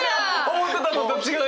思ってたのと違う！